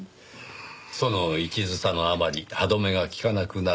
その一途さのあまり歯止めが利かなくなる。